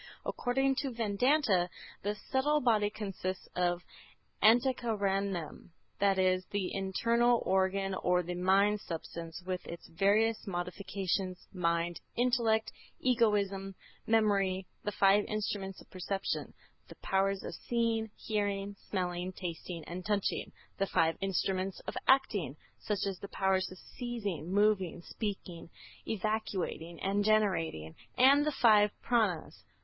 According to Vedanta, the subtle body consists of Antahkaranam, that is, the internal organ or the mind substance with its various modifications, mind, intellect, egoism, memory, the five instruments of perception: the powers of seeing, hearing, smelling, tasting and touching; the five instruments of action, such as the powers of seizing, moving, speaking, evacuating, and generating, and the five _Prânas.